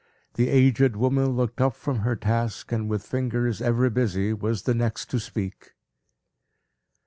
The aged woman looked up from her task, and, with fingers ever busy, was the next to speak.